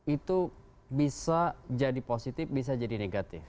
itu bisa jadi positif bisa jadi negatif